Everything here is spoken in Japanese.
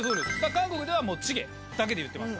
韓国ではもうチゲだけで言ってますから。